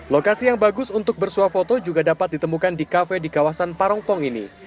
lokasi yang bagus untuk bersuah foto juga dapat ditemukan di kafe di kawasan parongpong ini